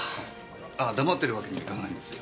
あっ黙ってるわけにはいかないんですよ。